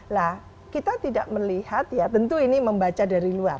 nah kita tidak melihat ya tentu ini membaca dari luar